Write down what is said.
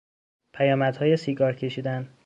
پیامدهای سیگار کشیدن